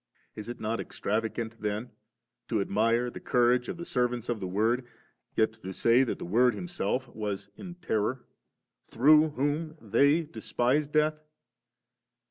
Is it not extravagant tlien, to admire the courage of the servants of the Word, yet to say that the Word Himself was in terror, through whom they despised death?